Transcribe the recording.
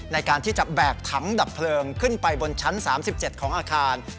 ในการที่จะแบกถังดับเพลิงขึ้นไปบนชั้น๓๗ของอาคาร